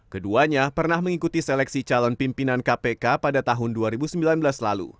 keduanya pernah mengikuti seleksi calon pimpinan kpk pada tahun dua ribu sembilan belas lalu